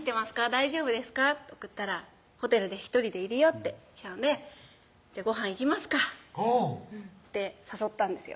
大丈夫ですか？」って送ったら「ホテルで１人でいるよ」って来たので「ごはん行きますか？」って誘ったんですよ